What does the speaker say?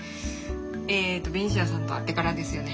えっとベニシアさんと会ってからですよね。